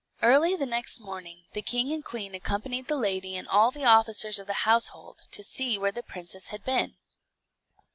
Early the next morning the king and queen accompanied the lady and all the officers of the household, to see where the princess had been.